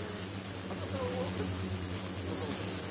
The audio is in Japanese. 羽田さんは別にそんなことないですか。